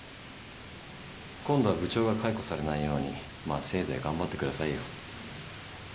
今度は部長が解雇されないようにまあせいぜい頑張ってくださいよ。